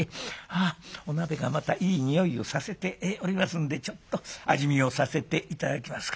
あお鍋がまたいい匂いをさせておりますんでちょっと味見をさせて頂きますか。